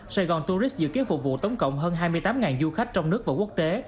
sài gòn tourist dự kiến phục vụ tổng cộng hơn hai mươi tám du khách trong nước và quốc tế